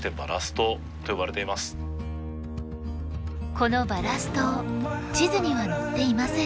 このバラス島地図には載っていません。